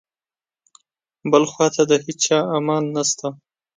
بل خواته د هیچا امان نشته.